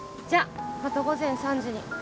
じゃまた午前３時に。